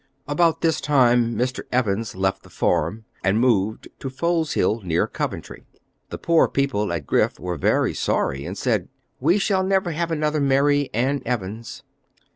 About this time Mr. Evans left the farm, and moved to Foleshill, near Coventry. The poor people at Griff were very sorry, and said, "We shall never have another Mary Ann Evans."